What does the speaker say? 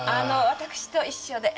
私と一緒で。